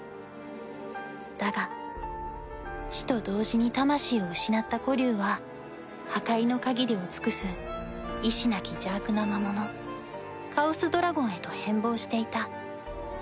だが死と同時に魂を失った子竜は破壊の限りを尽くす意思なき邪悪な魔物カオスドラゴンへと変貌していた。